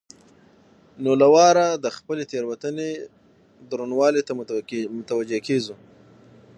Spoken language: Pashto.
نو له واره د خپلې تېروتنې درونوالي ته متوجه کېږو.